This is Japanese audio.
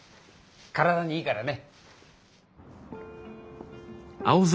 体にいいからね。